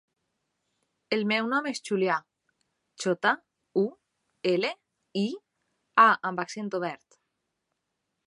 El meu nom és Julià: jota, u, ela, i, a amb accent obert.